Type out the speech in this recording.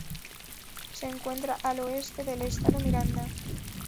Se encuentra al oeste del Estado Miranda.